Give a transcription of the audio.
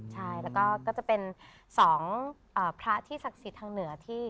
ใช่แล้วก็จะเป็น๒พระที่ศักดิ์สิทธิ์ทางเหนือที่